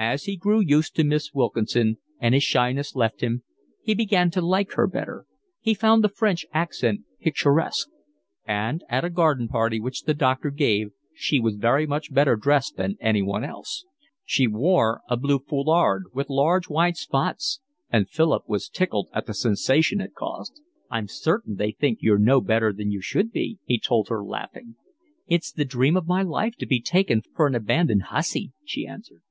As he grew used to Miss Wilkinson, and his shyness left him, he began to like her better; he found the French accent picturesque; and at a garden party which the doctor gave she was very much better dressed than anyone else. She wore a blue foulard with large white spots, and Philip was tickled at the sensation it caused. "I'm certain they think you're no better than you should be," he told her, laughing. "It's the dream of my life to be taken for an abandoned hussy," she answered.